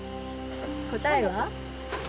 答えは？